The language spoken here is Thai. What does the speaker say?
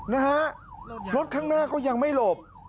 นะฮะรถข้างหน้าก็ยังไม่หลบ